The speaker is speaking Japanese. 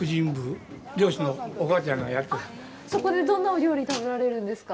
そこでどんなお料理食べられるんですか。